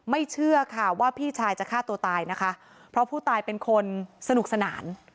เชื่อค่ะว่าพี่ชายจะฆ่าตัวตายนะคะเพราะผู้ตายเป็นคนสนุกสนาน